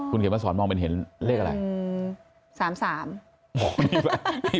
คุณเขียนมาสอนว่าเห็นเลขอะไร